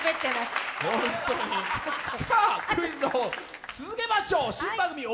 クイズの方、続けましょう。